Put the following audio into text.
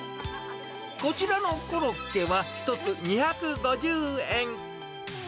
こちらのコロッケは１つ２５０円。